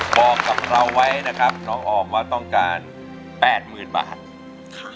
บอกกับเราไว้นะครับน้องออมว่าต้องการแปดหมื่นบาทค่ะ